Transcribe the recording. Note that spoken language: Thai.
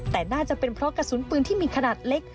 แต่น่าจะเป็นเพราะกระสุนปืนที่มีขนาดเล็ก